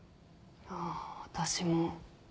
ああ私も。